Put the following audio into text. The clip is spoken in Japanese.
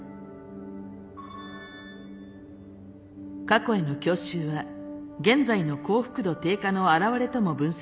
過去への郷愁は現在の幸福度低下の現れとも分析でき